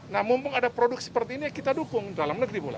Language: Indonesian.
nah mumpung ada produk seperti ini ya kita dukung dalam negeri mulai